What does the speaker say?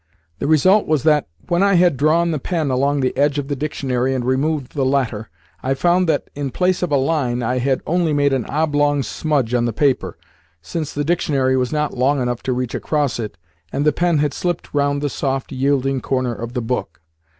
The result was that, when I had drawn the pen along the edge of the dictionary and removed the latter, I found that, in place of a line, I had only made an oblong smudge on the paper, since the dictionary was not long enough to reach across it, and the pen had slipped round the soft, yielding corner of the book.